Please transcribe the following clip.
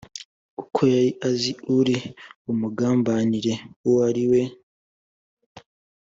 uko yari azi uri bumugambanire uwo ari we